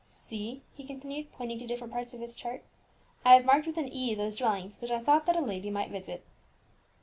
"See," he continued, pointing to different parts of his chart, "I have marked with an E those dwellings which I thought that a lady might visit."